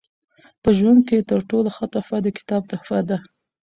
په ژوند کښي تر ټولو ښه تحفه د کتاب تحفه ده.